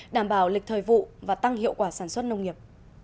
đảm bảo lịch thời vụ và tăng hiệu quả sản xuất nông nghiệp